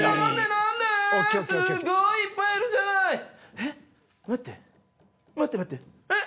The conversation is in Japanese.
えっ待って待って待ってえっ！？